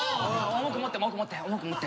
重く持って重く持って重く持って。